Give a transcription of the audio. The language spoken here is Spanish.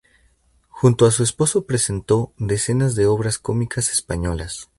Junto a su esposo presentó decenas de obras cómicas españolas.